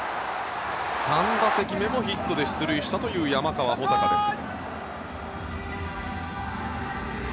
３打席目もヒットで出塁したという山川穂高です。